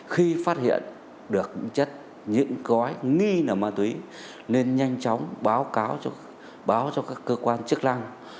khi phát hiện được chất những gói nghi là ma túy nên nhanh chóng báo cáo báo cho các cơ quan chức năng